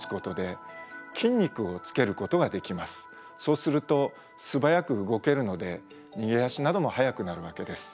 そうすると素早く動けるので逃げ足なども速くなるわけです。